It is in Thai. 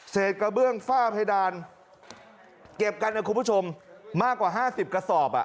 เศษกระเบื้องฝ้าเพดานเก็บกันเฬอะคุณผู้ชมมากกว่าห้าสิบกระซอบอ่ะ